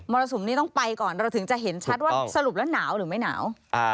รสุมนี้ต้องไปก่อนเราถึงจะเห็นชัดว่าสรุปแล้วหนาวหรือไม่หนาว